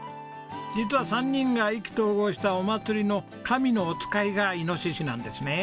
実は３人が意気投合したお祭りの神のお使いがイノシシなんですね。